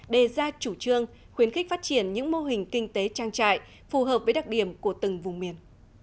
đề ra chủ trương khuyến khích phát triển những mô hình kinh tế trang trại phù hợp với đặc điểm của từng vùng miền